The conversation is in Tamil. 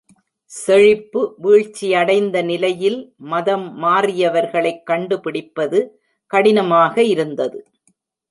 செழிப்பு வீழ்ச்சியடைந்த நிலையில், மதம் மாறியவர்களைக் கண்டுபிடிப்பது கடினமாக இருந்தது.